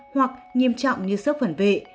hoặc nghiêm trọng như sức phản vệ